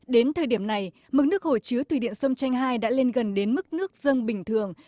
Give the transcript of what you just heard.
đến thời điểm này mức nước hồ chứa thủy điện sông chanh hai đã lên gần đến mức nước dân bình thường